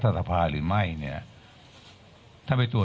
ขอบพระคุณนะครับ